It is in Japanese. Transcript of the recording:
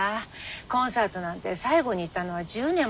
コンサートなんて最後に行ったのは１０年も前かしら。